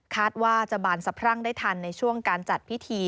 ว่าจะบานสะพรั่งได้ทันในช่วงการจัดพิธี